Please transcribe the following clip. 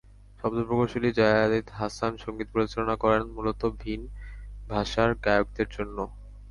শব্দ প্রকৌশলী জায়েদ হাসান সংগীত পরিচালনা করেন মূলত ভিন ভাষার গায়কদের জন্য।